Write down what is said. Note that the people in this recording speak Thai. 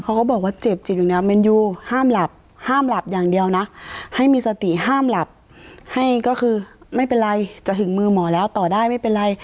เขาก็บอกว่าเจ็บจิตอยู่เนี่ยแมนยูห้ามหลับห้ามหลับอย่างเดียวนะให้มีสติห้ามหลับให้ก็คือไม่เป็นไรจะถึงมือหมอแล้วต่อได้ไม่เป็นไร